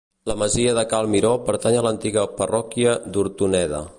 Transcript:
La masia de cal Miró, pertany a l'antiga parròquia d'Hortoneda.